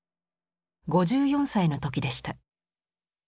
５４歳の時でした。